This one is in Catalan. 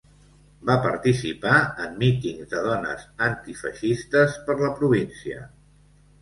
Va participar en mítings de Dones Antifeixistes per la província.